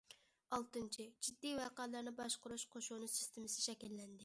ئالتىنچى، جىددىي ۋەقەلەرنى باشقۇرۇش قوشۇنى سىستېمىسى شەكىللەندى.